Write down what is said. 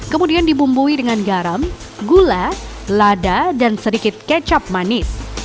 kemudian dibumbui dengan garam gula lada dan sedikit kecap manis